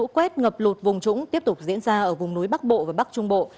quét ngập lụt vùng trũng tiếp tục diễn ra ở vùng núi bắc bộ và bắc trung bộ